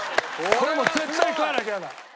これもう絶対食わなきゃやだ！